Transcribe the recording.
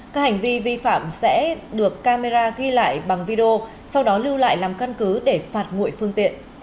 các hành vi vi phạm sẽ được camera ghi lại bằng video sau đó lưu lại làm căn cứ để phạt nguội phương tiện